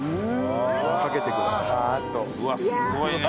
うわっすごいね。